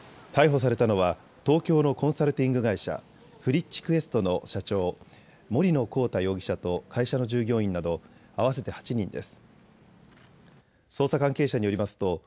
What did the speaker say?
逮捕されたのは東京のコンサルティング会社、ＦＲｉｃｈＱｕｅｓｔの社長、森野広太容疑者と会社の従業員など合わせて８人です。